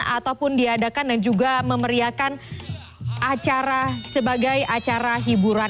ataupun diadakan dan juga memeriakan acara sebagai acara hiburan